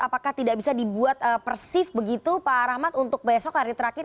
apakah tidak bisa dibuat persif begitu pak rahmat untuk besok hari terakhir